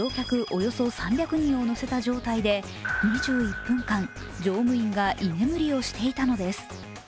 およそ３００人を乗せた状態で２１分間、乗務員が居眠りをしていたのです。